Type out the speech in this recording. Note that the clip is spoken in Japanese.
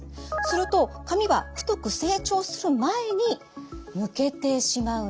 すると髪は太く成長する前に抜けてしまうんです。